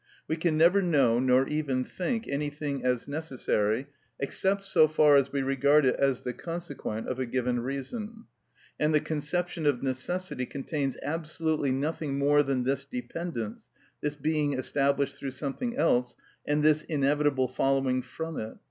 We can never know, nor even think, anything as necessary, except so far as we regard it as the consequent of a given reason; and the conception of necessity contains absolutely nothing more than this dependence, this being established through something else, and this inevitable following from it.